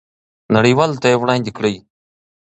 نړیوالو ته یې وړاندې کړئ.